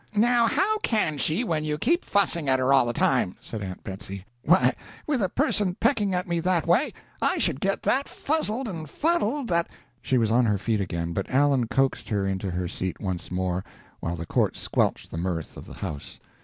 "Now how can she when you keep fussing at her all the time?" said Aunt Betsy. "Why, with a person pecking at me that way, I should get that fuzzled and fuddled that " She was on her feet again, but Allen coaxed her into her seat once more, while the court squelched the mirth of the house.